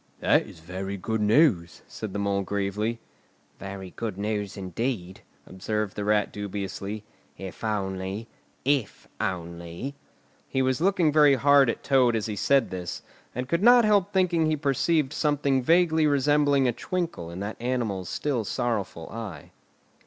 "That is very good news," said the Mole gravely. "Very good news indeed," observed the Rat dubiously, "if only—if only——" He was looking very hard at Toad as he said this, and could not help thinking he perceived something vaguely resembling a twinkle in that animal's still sorrowful eye.